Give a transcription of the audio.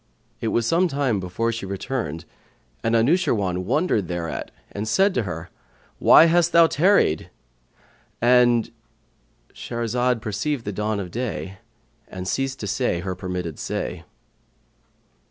It was some time before she returned and Anushirwan wondered thereat and said to her, "Why hast thou tarried?"—And Shahrazad perceived the dawn of day and ceased to say her permitted say.